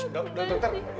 jadi dirawat tak